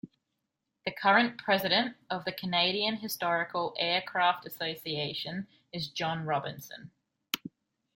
The current President of the Canadian Historical Aircraft Association is John Robinson.